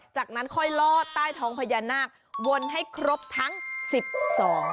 จากนั้นค่อยลอดใต้ท้องพญานาควนให้ครบทั้งสิบสอง